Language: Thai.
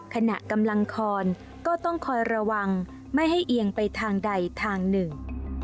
ขณะกำลังคอนก็ต้องคอยระวังไม่ให้เอียงไปทางใดทางหนึ่ง